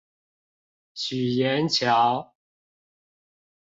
許顏橋